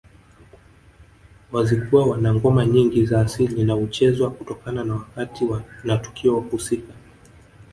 Wazigua wana ngoma nyingi za asili na huchezwa kutokana na wakati na tukio husika